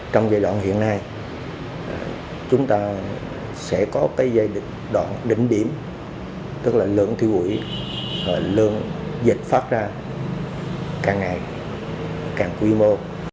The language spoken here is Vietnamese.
trong giai đoạn hiện nay chúng ta sẽ có cái giai đoạn đỉnh điểm tức là lượng thiếu ủy lượng dịch phát ra càng ngày càng quy mô